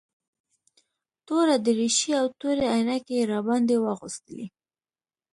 توره دريشي او تورې عينکې يې راباندې واغوستلې.